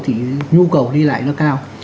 thì nhu cầu đi lại nó cao